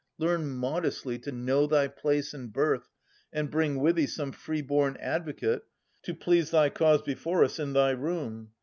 Learn modestly to know thy place and birth. And bring with thee some freeborn advocate To plead thy cause before us in thy room.